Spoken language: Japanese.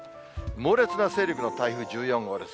猛烈な勢力の台風１４号です。